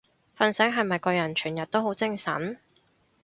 瞓醒係咪個人全日都好精神？